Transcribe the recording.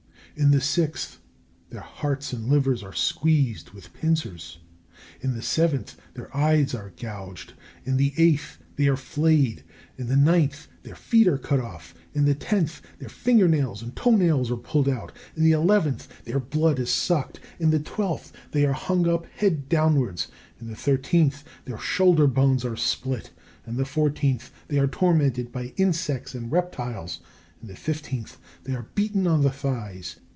In the sixth, their hearts and livers are squeezed with pincers. In the seventh, their eyes are gouged. In the eighth, they are flayed. In the ninth, their feet are cut off. In the tenth, their finger nails and toe nails are pulled out. In the eleventh their blood is sucked. In the twelfth, they are hung up head downwards. In the thirteenth, their shoulder bones are split. In the fourteenth, they are tormented by insects and reptiles. In the fifteenth, they are beaten on the thighs.